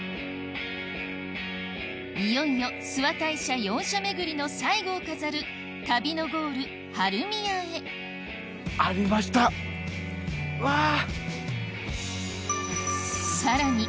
いよいよ諏訪大社四社巡りの最後を飾る旅のゴール春宮へわぁ！